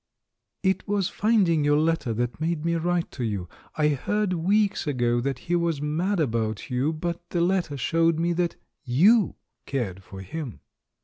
"It was finding your letter that made me write to you. I heard weeks ago that he was mad about you, but the letter showed me that you cared for him.